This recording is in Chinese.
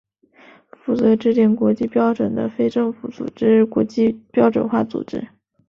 负责制定国际标准的非政府组织国际标准化组织。